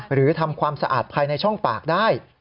หรือทำความสะอาดภายในช่องปากได้